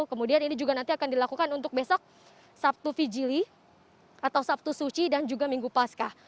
kemudian ini juga nanti akan dilakukan untuk besok sabtu fijili atau sabtu suci dan juga minggu pasca